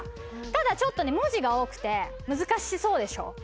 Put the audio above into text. ただちょっと文字が多くて難しそうでしょ？